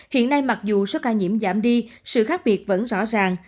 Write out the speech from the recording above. hiện nay mặc dù số ca nhiễm giảm đi sự khác biệt vẫn rõ ràng